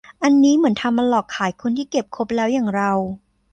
อันนี้เหมือนทำมาหลอกขายคนที่เก็บครบแล้วอย่างเรา